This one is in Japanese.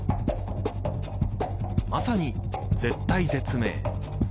まさに絶体絶命。